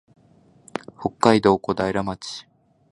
北海道小平町